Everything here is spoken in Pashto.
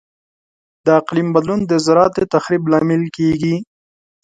د اقلیم بدلون د زراعت د تخریب لامل کیږي.